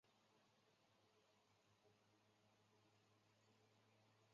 长鳍壮灯鱼为辐鳍鱼纲灯笼鱼目灯笼鱼科壮灯鱼属的鱼类。